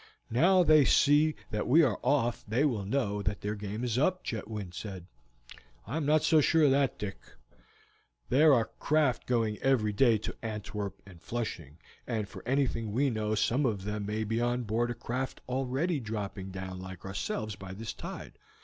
"Now they see that we are off they will know that their game is up," Chetwynd said. "I am not so sure of that, Dick; there are craft going every day to Antwerp and Flushing, and for anything we know some of them may be on board a craft already dropping down like ourselves by this tide.